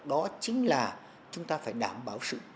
đó chính là chúng ta phải đảm bảo sự bình yên